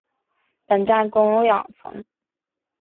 本站共有两层。